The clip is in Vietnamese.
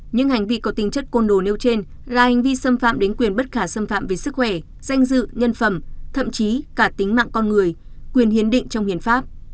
những hành vi có tính chất côn đồ nêu trên là hành vi xâm phạm đến quyền bất khả xâm phạm về sức khỏe danh dự nhân phẩm thậm chí cả tính mạng con người quyền hiến định trong hiến pháp